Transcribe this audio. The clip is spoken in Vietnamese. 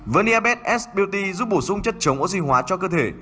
verniabed s beauty giúp bổ sung chất chống oxy hóa cho cơ thể